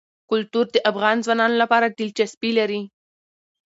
کلتور د افغان ځوانانو لپاره دلچسپي لري.